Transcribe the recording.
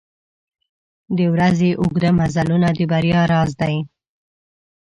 • د ورځې اوږده مزلونه د بریا راز دی.